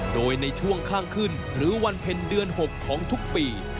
โดยในช่วงข้างขึ้นหรือวันเพ็ญเดือน๖ของทุกปี